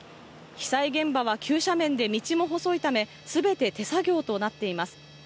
被災現場は急斜面で道も細いため全て手作業となっています。